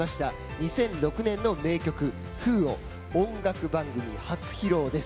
２００６年の名曲「Ｗｈｏ」を音楽番組初披露です。